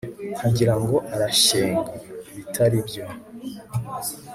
nkagira ngo arashyenga bitaribyo